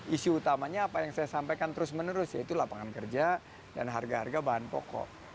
isu utamanya apa yang saya sampaikan terus menerus yaitu lapangan kerja dan harga harga bahan pokok